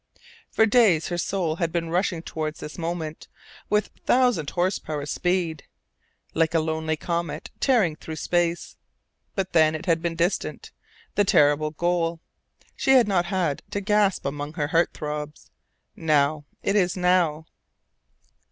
For days her soul had been rushing toward this moment with thousand horsepower speed, like a lonely comet tearing through space. But then it had been distant, the terrible goal. She had not had to gasp among her heart throbs: "Now! It is now!"